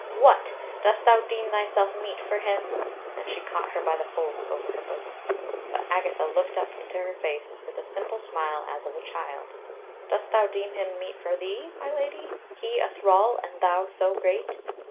"What! dost thou deem thyself meet for him?" And she caught her by the folds over her bosom. But Agatha looked up into her face with a simple smile as of a child: "Dost thou deem him meet for thee, my Lady he a thrall, and thou so great?"